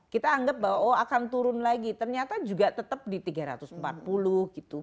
kita anggap bahwa oh akan turun lagi ternyata juga tetap di tiga ratus empat puluh gitu